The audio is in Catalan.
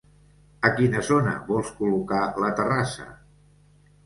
A quina zona vols col·locar la terrassa?